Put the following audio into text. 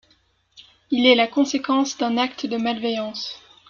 Il est la conséquence d'un acte de malveillance.